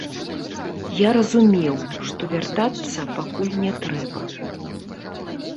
Я разумеў, што вяртацца пакуль не трэба.